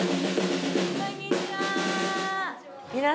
こんにちは。